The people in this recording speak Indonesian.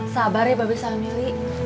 sabar ya bapak syaimili